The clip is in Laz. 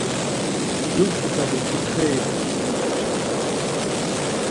Jur kitabi ǩitxeri bore xocaçkimi.